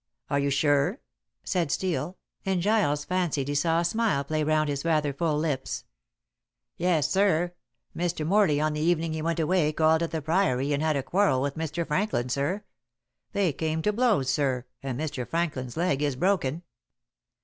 "Are you sure?" said Steel, and Giles fancied he saw a smile play round his rather full lips. "Yes, sir. Mr. Morley on the evening he went away called at the Priory and had a quarrel with Mr. Franklin, sir. They came to blows, sir, and Mr. Franklin's leg is broken."